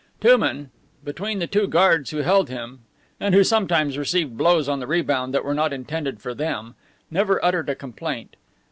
Touman, between the two guards who held him, and who sometimes received blows on the rebound that were not intended for them, never uttered a complaint.